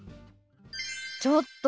ちょっと！